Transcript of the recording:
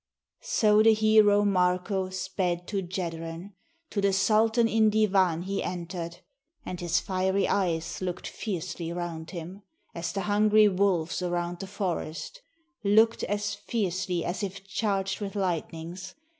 So the hero Marko sped to Jedren. To the sultan in divan he enter 'd; And his fiery eyes look'd fiercely round him, As the hungry wolves around the forest; Look'd as fiercely as if charged with lightnings.